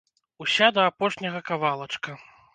Уся да апошняга кавалачка.